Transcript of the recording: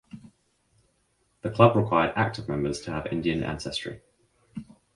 The club required active members to have Indian ancestry.